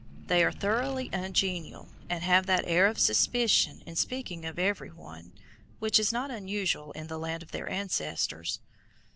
They are thoroughly ungenial, and have that air of suspicion in speaking of every one which is not unusual in the land of their ancestors.